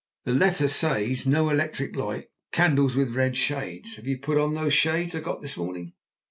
"The letter says, 'no electric light; candles with red shades.' Have you put on those shades I got this morning?"